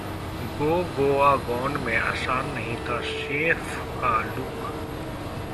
'गो गोवा गॉन' में आसान नहीं था सैफ का लुक